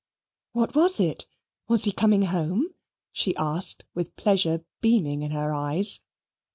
"What was it: was he coming home?" she asked with pleasure beaming in her eyes.